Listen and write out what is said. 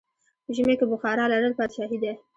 په ژمی کې بخارا لرل پادشاهي ده.